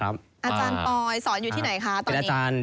อาจารย์หอน่ะ